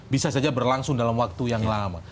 bisa saja berlangsung dalam waktu yang lama